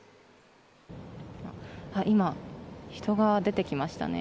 今、人が出てきましたね。